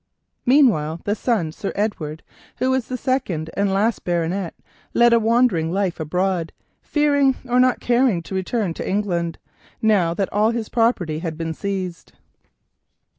"Meanwhile the son, Sir Edward, who was the second and last baronet, led a wandering life abroad, fearing or not caring to return to England now that all his property had been seized.